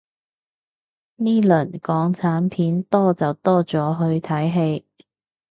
呢輪港產片多就多咗去睇戲